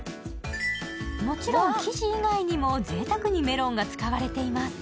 もちろん生地以外にも贅沢にメロンが使われています・